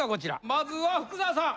まずは福澤さん！